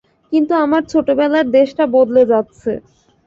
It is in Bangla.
কিন্তু আমার ছোটবেলার দেশটা বদলে যাচ্ছে।